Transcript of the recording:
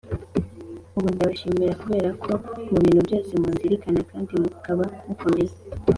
Ubu Ndabashimira Kubera Ko Mu Bintu Byose Munzirikana Kandi Mukaba Mukomeye